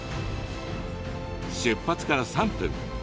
出発から３分。